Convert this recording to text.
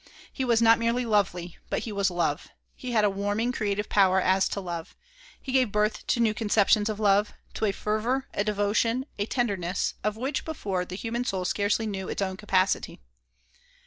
He was not merely lovely, but he was love. He had a warming, creative power as to love. He gave birth to new conceptions of love; to a fervor, a devotion, a tenderness, of which before the human soul scarcely knew its own capacity.